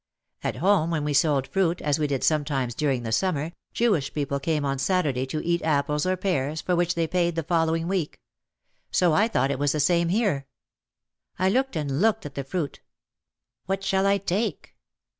At home when we sold fruit, as we did sometimes during the summer, Jewish people came on Saturday to eat apples or pears for which they paid the following week. So I thought it was the same here. I looked and looked at the fruit : "What shall I take